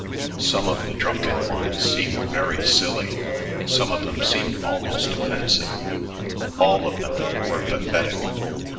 Some of the drunken ones seemed very silly, some of them seemed almost offensive; all of them were pathetic.